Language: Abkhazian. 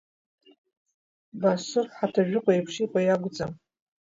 Басыр Ҳаҭажәыҟәа еиԥш иҟоу иакәӡам.